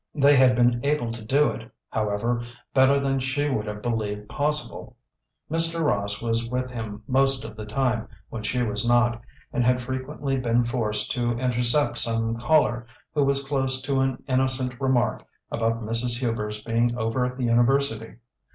They had been able to do it, however, better than she would have believed possible. Mr. Ross was with him most of the time when she was not, and had frequently been forced to intercept some caller who was close to an innocent remark about Mrs. Hubers being over at the university.